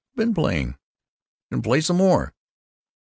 "I been playing." "Then play some more."